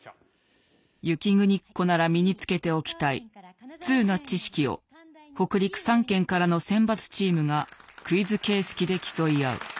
雪国っ子なら身につけておきたいツウな知識を北陸３県からの選抜チームがクイズ形式で競い合う。